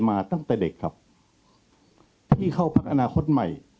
มาตั้งแต่เด็กครับที่เข้าพักอนาคตใหม่